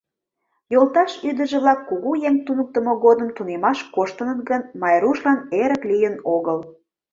Йолташ ӱдыржӧ-влак кугу еҥ туныктымо годым тунемаш коштыныт гын, Майрушлан эрык лийын огыл.